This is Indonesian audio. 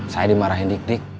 saya dimarahin dik dik